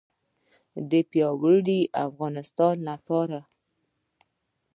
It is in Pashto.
د لا پیاوړي اقتصاد لپاره.